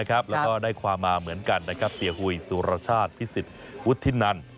แล้วก็ได้ความมาเหมือนกันนะครับเสียหุยสุรชาติพิสิทธิ์วุฒินัน